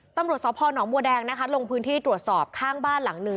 ตำรวจสพนบัวแดงนะคะลงพื้นที่ตรวจสอบข้างบ้านหลังหนึ่ง